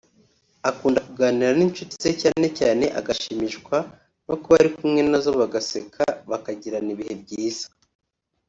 akunda kuganira n’ncuti ze cyane cyane agashimishwa no kuba ari kumwe nazo bagaseka bakagirana ibihe byiza